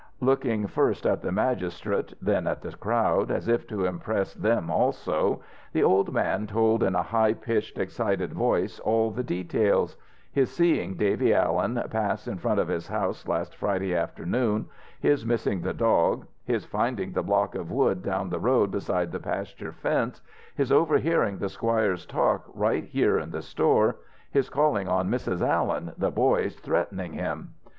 Looking first at the magistrate, then at the crowd, as if to impress them also, the old man told in a high pitched, excited voice all the details his seeing Davy Allen pass in front of his house last Friday afternoon, his missing the dog, his finding the block of wood down the road beside the pasture fence, his over hearing the squire's talk right here in the store, his calling on Mrs. Allen, the boy's threatening him.